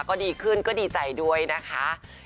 ก็ดีขึ้นก็ดีใจด้วยนะคะ